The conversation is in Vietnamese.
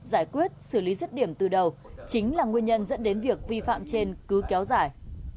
giải quyết xử lý dứt điểm từ đầu chính là nguyên nhân dẫn đến việc vi phạm trên cứ kéo dài